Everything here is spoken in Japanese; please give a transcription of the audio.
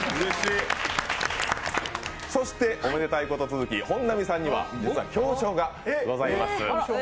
そしておめでたいこと続き、本並さんには表彰がございます。